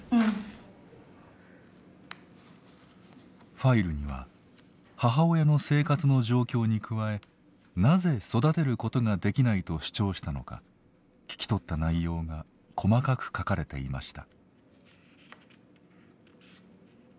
ファイルには母親の生活の状況に加えなぜ育てることができないと主張したのか聞き取った内容が細かく書かれていました。